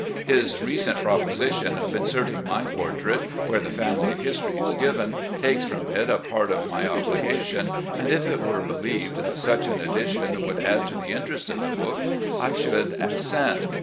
His recent proposition of inserting my portrait where the family history is given takes from it a part of my obliga tion, and if it were believed that such an addition would add to the interest of the book, I should assent.